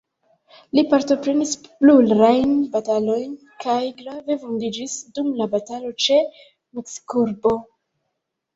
Li partoprenis plurajn batalojn, kaj grave vundiĝis dum la batalo ĉe Meksikurbo.